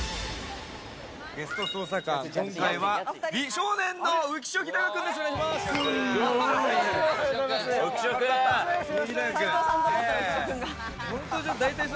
ゲスト捜査官、今回は「美少年」の浮所飛貴君です。